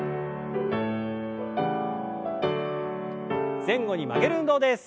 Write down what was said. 前後に曲げる運動です。